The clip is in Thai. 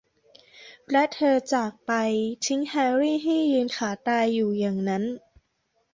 และเธอจากไป ทิ้งแฮรี่ให้ยืนขาตายอยู่อย่างนั้น